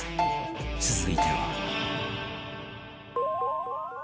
続いては